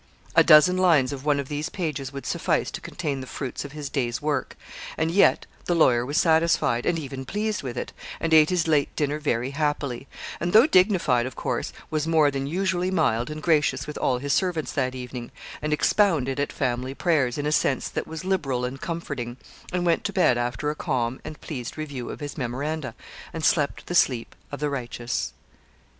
A dozen lines of one of these pages would suffice to contain the fruits of his day's work; and yet the lawyer was satisfied, and even pleased with it, and eat his late dinner very happily; and though dignified, of course, was more than usually mild and gracious with all his servants that evening, and 'expounded at family prayers' in a sense that was liberal and comforting; and went to bed after a calm and pleased review of his memoranda, and slept the sleep of the righteous.